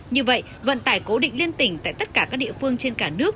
như vậy vận tải cố định liên tỉnh tại tất cả các địa phương trên cả nước